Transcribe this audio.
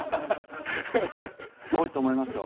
多いと思いますよ。